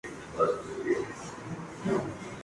Suplemento de ciencias".